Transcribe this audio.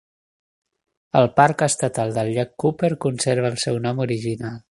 El Parc Estatal del llac Cooper conserva el seu nom original.